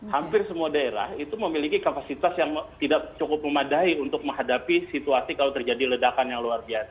hampir semua daerah itu memiliki kapasitas yang tidak cukup memadai untuk menghadapi situasi kalau terjadi ledakan yang luar biasa